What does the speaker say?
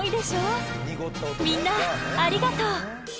みんなありがとう！